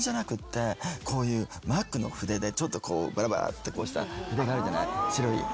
こういうＭ・Ａ・Ｃの筆でちょっとバラバラってした筆があるじゃない白い。